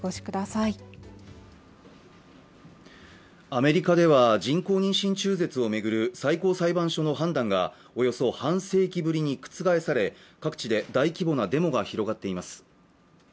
アメリカでは人工妊娠中絶を巡る最高裁判所の判断がおよそ半世紀ぶりに覆され各地で大規模なデモが広がっています